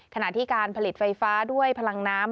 ขณะที่การผลิตไฟฟ้าด้วยพลังน้ำ